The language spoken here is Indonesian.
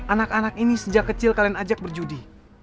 anak anak ini sejak kecil kalian ajak berjudi